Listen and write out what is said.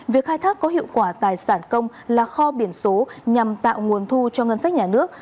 việc khai thác có hiệu quả tài sản công là kho biển số nhằm tạo nguồn thu cho ngân sách nhà nước